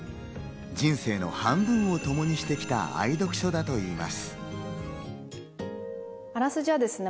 人生の半分をともにしてきた、愛読書だといいます。